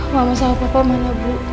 mama sama papa mana bu